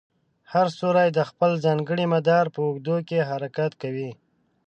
هر ستوری د خپل ځانګړي مدار په اوږدو کې حرکت کوي.